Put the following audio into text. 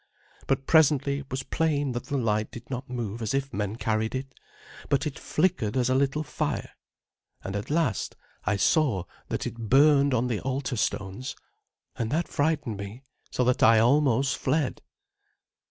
But presently it was plain that the light did not move as if men carried it, but it flickered as a little fire; and at last I saw that it burned on the altar stones, and that frightened me so that I almost fled.